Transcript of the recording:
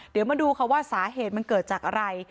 เดี๋ยวมาดูค่ะว่าสาเหตุมันเกิดจากอะไร